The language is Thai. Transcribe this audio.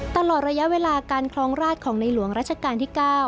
ตลอดระยะเวลาการครองราชของในหลวงรัชกาลที่๙